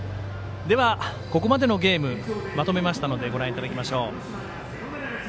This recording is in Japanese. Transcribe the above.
ここまでのゲームまとめましたのでご覧いただきましょう。